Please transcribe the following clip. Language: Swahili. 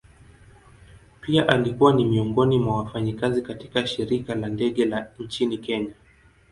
Pia alikuwa ni miongoni mwa wafanyakazi katika shirika la ndege la nchini kenya.